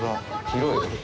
広い！